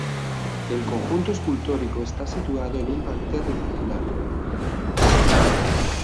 El conjunto escultórico está situado en un parterre circular.